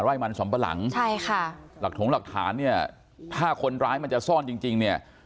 ไร่มันสำปะหลังใช่ค่ะหลักถงหลักฐานเนี่ยถ้าคนร้ายมันจะซ่อนจริงจริงเนี่ย